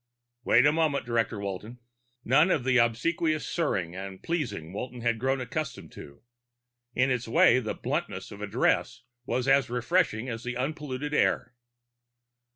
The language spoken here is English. "Wait a moment, Director Walton." None of the obsequious sirring and pleasing Walton had grown accustomed to. In its way, the bluntness of address was as refreshing as the unpolluted air.